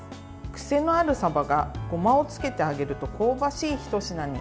癖のあるさばがごまをつけて揚げると香ばしいひと品に。